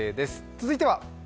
続いては？